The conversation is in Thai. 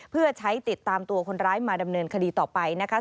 เพื่อใช้ติดตามตัวคนร้ายมาดำเนินคดีต่อไปนะคะ